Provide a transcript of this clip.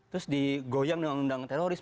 terus digoyang dengan undang teroris